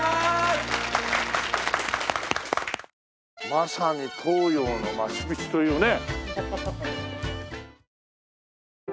まさに東洋のマチュピチュというね。